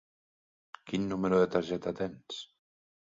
Quin número de targeta tens?